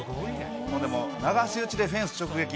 ほんでもう、流し打ちでフェンス直撃。